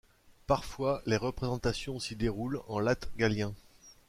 Parfois les représentations s'y déroulent en latgalien.